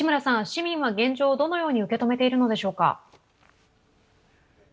市民は現状をどのように受け止めているのでしょうか。